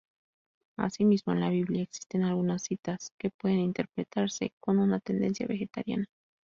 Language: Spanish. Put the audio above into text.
Asimismo, en la Biblia existen algunas citas que pueden interpretarse con una tendencia vegetariana.